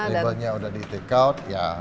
label nya sudah di take out